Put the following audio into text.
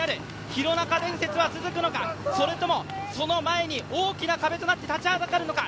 廣中伝説は続くのか、それともその前に大きな壁となって立ちはだかるのか。